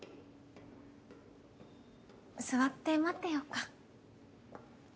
座って待ってようか。